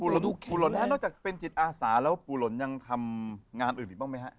แล้วอย่างนู้นเป็นอาศาแล้วปู่หล่นนั้นทำงานอื่นบ้างไหมฮะ